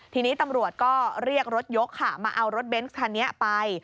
ทีนี้ตำรวจก็เรียกรถยกค่ะมาเอารถเบนส์คันนี้ไป